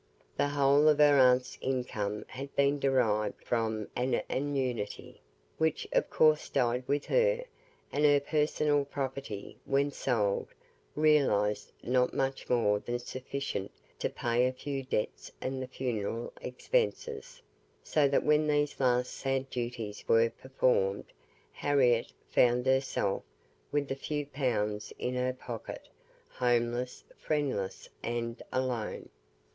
The whole of her aunt's income had been derived from an annuity, which of course died with her; and her personal property, when sold, realized not much more than sufficient to pay a few debts and the funeral expenses; so that when these last sad duties were performed, Harriette found herself with a few pounds in her pocket, homeless, friendless, and alone.